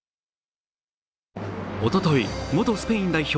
おととい、元スペイン代表